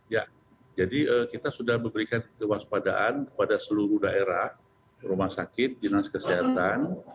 ya jadi kita sudah memberikan kewaspadaan kepada seluruh daerah rumah sakit dinas kesehatan